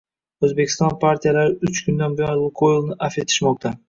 O'zbekiston partiyalari uch kundan buyon "Lukoyl" ni afv etishmoqda